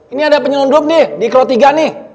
ini ada penyelundup nih di klo tiga nih